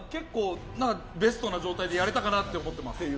ベストな状態でやれたと思います。